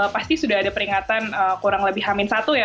pasti sudah ada peringatan kurang lebih hamil satu ya